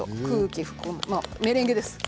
メレンゲです。